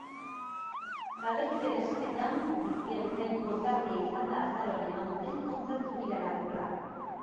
Taldekideen esanetan, bizia bezain pozgarria izan da azaroan eman duten kontzertu-bira laburra.